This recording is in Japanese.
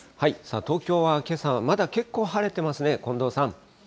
東京はけさはまだ結構晴れてますね。